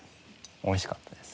美味しかったです。